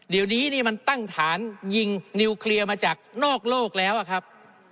เดี๋ยวนี้นี่มันตั้งฐานยิงนิวเคลียร์มาจากนอกโลกแล้วอะครับ